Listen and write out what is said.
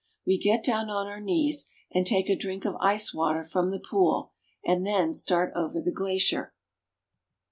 We get down on our knees, and take a drink of ice water from the pool, and then start over the glacier.